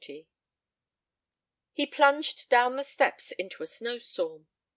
XX He plunged down the steps into a snowstorm.